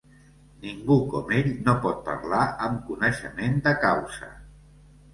Ningú com ell no pot parlar amb coneixement de causa.